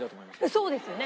そうですよね。